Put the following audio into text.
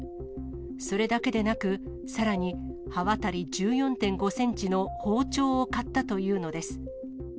それだけでなく、さらに、刃渡り１４．５センチの包丁を買ったというのです。